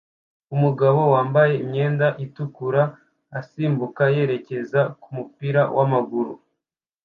Umugabo wambaye imyenda itukura asimbuka yerekeza kumupira wamaguru